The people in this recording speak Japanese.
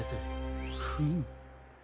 フム。